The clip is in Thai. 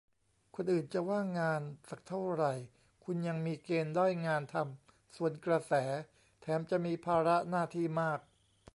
คนอื่นจะว่างงานสักเท่าไหร่คุณยังมีเกณฑ์ได้งานทำสวนกระแส แถมจะมีภาระหน้าที่มาก